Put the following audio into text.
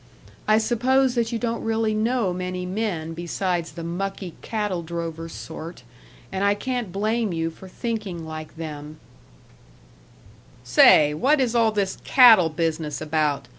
I suppose that you don't really know many men besides the mucky cattle drover sort, and I can't blame you for thinking like them " "Say, what is all this cattle business about?